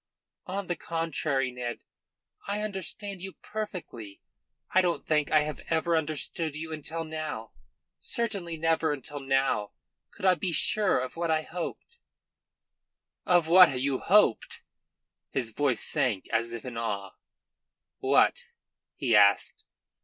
"On the contrary, Ned, I understand you perfectly. I don't think I have ever understood you until now. Certainly never until now could I be sure of what I hoped." "Of what you hoped?" His voice sank as if in awe. "What?" he asked.